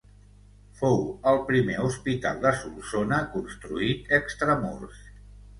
Fou el primer hospital de Solsona construït extramurs.